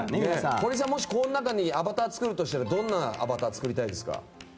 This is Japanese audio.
堀さん、この中にアバター作るとしたらどんなアバター作りたいですか？